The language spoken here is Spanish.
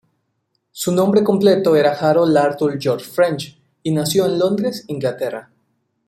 Su nombre completo era Harold Arthur George French, y nació en Londres, Inglaterra.